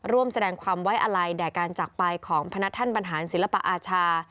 ร่วมแสดงความไว้อะไรแด่การจักรไปของพนักท่านบรรหารศิลปอาชา